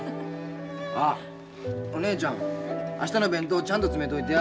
あっお姉ちゃん明日の弁当ちゃんと詰めといてや。